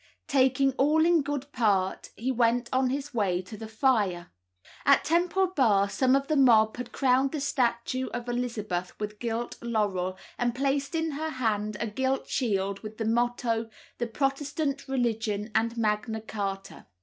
"Taking all in good part, he went on his way to the fire." At Temple Bar some of the mob had crowned the statue of Elizabeth with gilt laurel, and placed in her hand a gilt shield with the motto, "The Protestant Religion and Magna Charta."